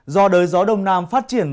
do đời gió đông nam phát triển